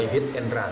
hidup dan berjalan